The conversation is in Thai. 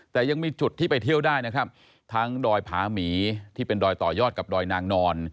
แต่ยังมีจุดที่ไปเที่ยวได้นะครับทั้งดอยผาหมีที่เป็นดอยต่อยอดกับดอยนางนอน